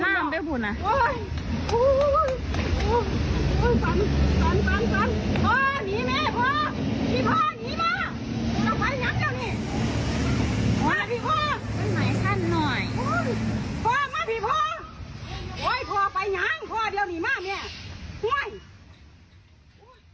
พ่อไปหยังพ่อเดี๋ยวหนีมานี่